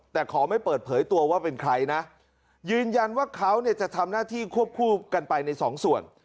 แต่ขอไม่เปิดเผยตัวว่าเป็นใครนะยืนยันว่าเขาเนี่ยจะทำหน้าที่ควบคู่กันไปในสองส่วน